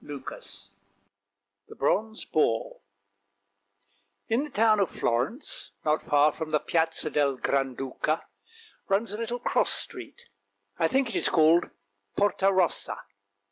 ft wrrrw THE BRONZE BOAR IN the town of Florence, not far from the Piazza del Granduca, runs a little cross street, I think it is called Porta Rossa.